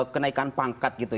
kenaikan pangkat gitu